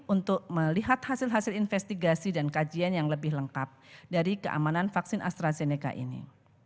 untuk melihat hasil hasil investigasi dan kajian yang lebih lengkap dari keamanan vaksin astrazeneca ini